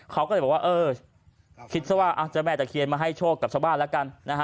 เขาก็เลยบอกว่าเออคิดซะว่าเจ้าแม่ตะเคียนมาให้โชคกับชาวบ้านแล้วกันนะฮะ